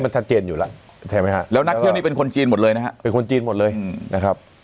มันชัดเจนอยู่แล้วใช่ไหมฮะแล้วนักเที่ยวนี่เป็นคนจีนหมดเลยนะฮะเป็นคนจีนหมดเลยนะครับ